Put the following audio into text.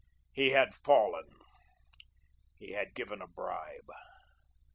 He had fallen he had given a bribe.